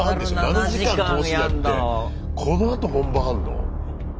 ７時間通しでやってこのあと本番あんの？